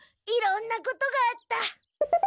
いろんなことがあった。